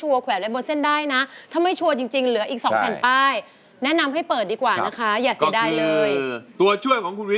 หว่อนหลวงพ่อเหลือวัดสาวจงก